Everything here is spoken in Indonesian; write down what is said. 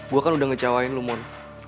gue kan udah ngecewain lo mon